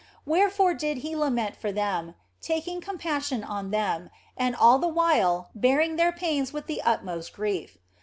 Wherefore did He lament for them, taking compassion on them, and all the while bearing their pains with the utmost grief.